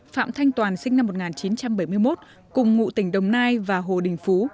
phạm thanh toàn sinh năm một nghìn chín trăm bảy mươi một cùng ngụ tỉnh đồng nai và hồ đình phú